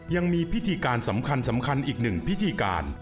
ยังมีพิธิการสำคัญอีก๑พิธิการ